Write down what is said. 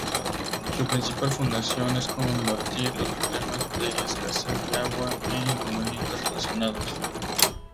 Su principal función es combatir los problemas de escasez de agua e inconvenientes relacionados.